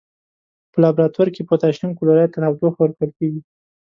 په لابراتوار کې پوتاشیم کلوریت ته تودوخه ورکول کیږي.